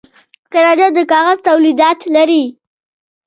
کاناډا د کاغذ تولیدات لري.